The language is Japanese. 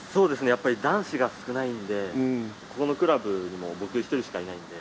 やっぱり男子が少ないのでここのクラブにも僕一人しかいないので。